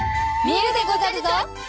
見るでござるゾ！